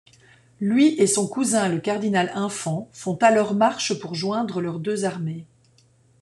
Lui et son cousin le cardinal-infant font alors marche pour joindre leurs deux armées.